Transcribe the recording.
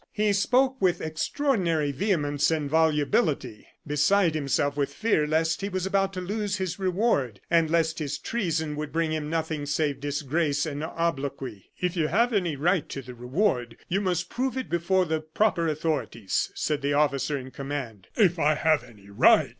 He spoke with extraordinary vehemence and volubility, beside himself with fear lest he was about to lose his reward, and lest his treason would bring him nothing save disgrace and obloquy. "If you have any right to the reward, you must prove it before the proper authorities," said the officer in command. "If I have any right!"